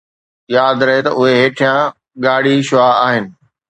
ياد رهي ته اهي هيٺيان ڳاڙهي شعاع آهن